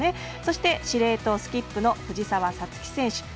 そして、司令塔スキップの藤澤五月選手。